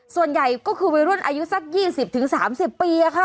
ส่วนใหญ่ก็คือวัยรุ่นอายุสัก๒๐๓๐ปีค่ะ